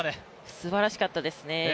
すばらしかったですね。